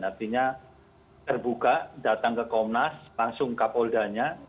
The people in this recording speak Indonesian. artinya terbuka datang ke komnas langsung kapoldanya